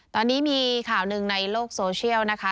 ตอนนี้มีข่าวหนึ่งในโลกโซเชียลนะคะ